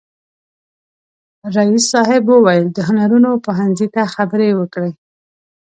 رئیس صاحب وویل د هنرونو پوهنځي ته خبرې وکړي.